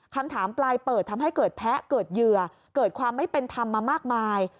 คำถามปลายเปิดทำให้เกิดแพ้เกิดเหยื่อเกิดความไม่เป็นธรรมมามากมาย